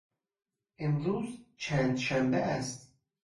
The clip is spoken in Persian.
امروز چندشنبه است؟